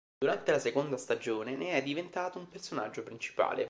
Durante la seconda stagione ne è diventato un personaggio principale.